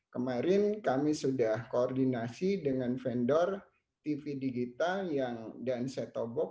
kemarin kami sudah koordinasi dengan vendor tv digital dan setobok